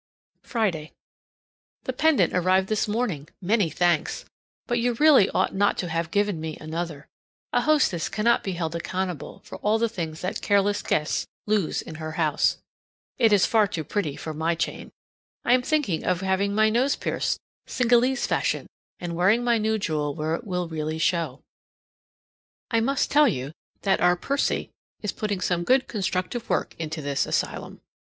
Friday. The pendant arrived this morning. Many thanks! But you really ought not to have given me another; a hostess cannot be held accountable for all the things that careless guests lose in her house. It is far too pretty for my chain. I am thinking of having my nose pierced, Cingalese fashion, and wearing my new jewel where it will really show. I must tell you that our Percy is putting some good constructive work into this asylum.